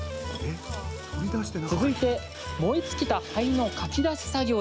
続いて、燃え尽きた灰のかき出し作業です。